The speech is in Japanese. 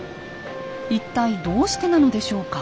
一体どうしてなのでしょうか？